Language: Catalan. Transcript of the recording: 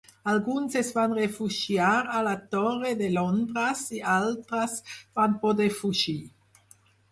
Alguns es van refugiar a la Torre de Londres i altres van poder fugir.